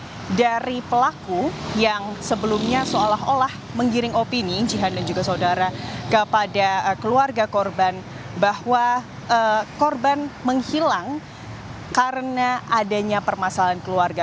keterangan dari pelaku yang sebelumnya seolah olah menggiring opini jihan dan juga saudara kepada keluarga korban bahwa korban menghilang karena adanya permasalahan keluarga